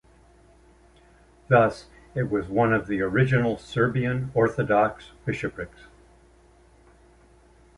Thus, it was one of the original Serbian Orthodox bishoprics.